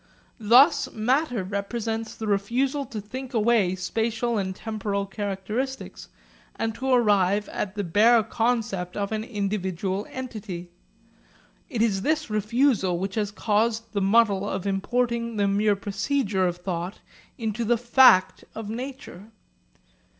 Thus matter represents the refusal to think away spatial and temporal characteristics and to arrive at the bare concept of an individual entity. It is this refusal which has caused the muddle of importing the mere procedure of thought into the fact of nature.